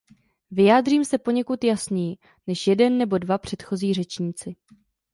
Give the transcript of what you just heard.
Vyjádřím se poněkud jasněji než jeden nebo dva předchozí řečníci.